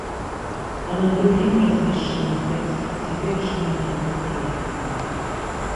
А на другім размешчаны тэкст цяперашняга гімна краіны.